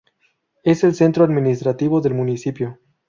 Es el centro administrativo del municipio.